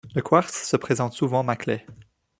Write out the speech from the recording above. Le quartz se présente souvent maclé.